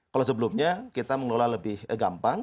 kalau sebelumnya kita mengelola lebih gampang